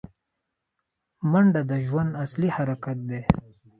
منډه د ژوند اصلي حرکت دی